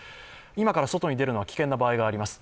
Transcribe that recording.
今から外に出るのは危険な場合があります。